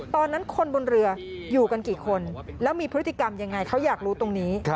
ตอนนั้นคนบนเรืออยู่กันกี่คนแล้วมีพฤติกรรมยังไงเขาอยากรู้ตรงนี้